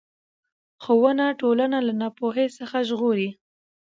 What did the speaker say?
ښوونه ټولنه له ناپوهۍ څخه ژغوري